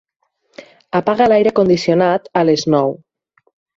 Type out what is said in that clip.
Apaga l'aire condicionat a les nou.